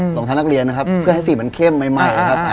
ของทางนักเรียนนะครับเพื่อให้สีมันเข้มใหม่ครับ